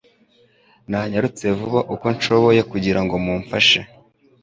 Nanyarutse vuba uko nshoboye kugira ngo mumufate